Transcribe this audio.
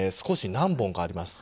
何本かあります。